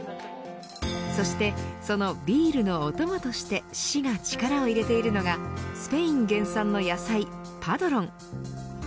そしてそのビールのお供として市が力を入れているのがスペイン県産の野菜パドロン。